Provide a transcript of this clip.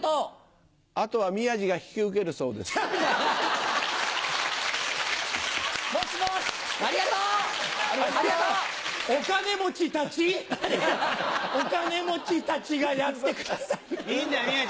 あとは宮治が引き受けるそういやいや。